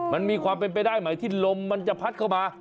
มันมีความเป็นไปได้ไหมที่ลมมันจะพัดเข้ามา